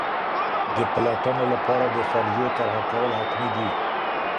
د پلټني لپاره د فرضیو طرحه کول حتمي دي.